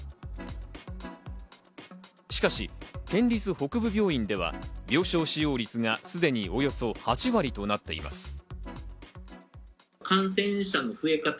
しかし県立北部病院では病床使用率がすでにおよそ８割となっています。